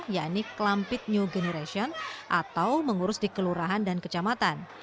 yakni clumpit new generation atau mengurus di kelurahan dan kecamatan